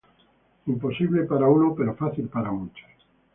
Imposible para uno pero fácil para muchos.